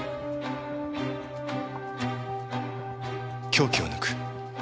凶器を抜く。